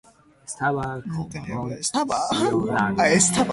Acetanilide is slightly soluble in water, and stable under most conditions.